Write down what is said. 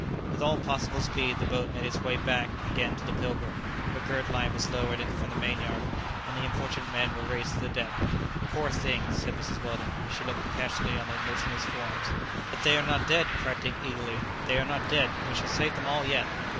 With all possible speed the boat made its way back again to the "Pilgrim," a girt line was lowered from the mainyard, and the unfortunate men were raised to the deck. "Poor things!" said Mrs. Weldon, as she looked compassionately on the motionless forms. "But they are not dead," cried Dick eagerly; "they are not dead; we shall save them all yet!"